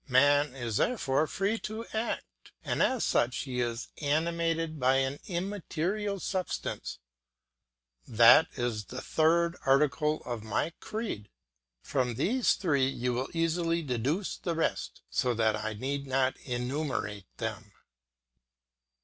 Man is therefore free to act, and as such he is animated by an immaterial substance; that is the third article of my creed. From these three you will easily deduce the rest, so that I need not enumerate them.